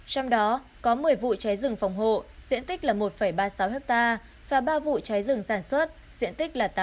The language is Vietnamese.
trong đó có một mươi vụ cháy rừng phòng hộ diện tích là một ba mươi sáu ha và ba vụ cháy rừng sản xuất diện tích là tám mươi